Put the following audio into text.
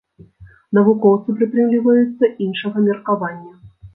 Навукоўцы прытрымліваюцца іншага меркавання.